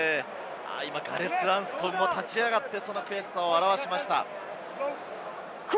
ガレス・アンスコムも立ち上がって悔しさを表現しました。